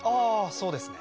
そうですね。